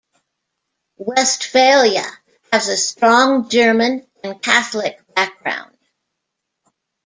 Westphalia has a strong German and Catholic background.